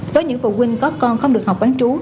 với những phụ huynh có con không được học bán trú